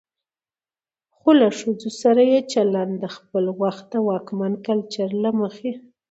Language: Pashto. خو له ښځو سره يې چلن د خپل وخت د واکمن کلچر له مخې